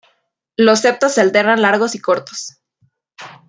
Los septos se alternan largos y cortos.